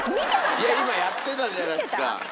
今やってたじゃないですか。